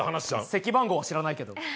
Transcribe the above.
席番号は知らないけど。